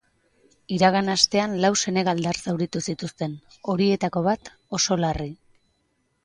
Iragan astean, lau senegaldar zauritu zituzten, horietako bat oso larri.